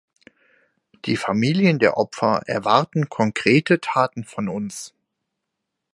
Die Familien der Opfer erwarten konkrete Taten von uns.